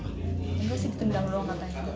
gak sih ditendang ruang katanya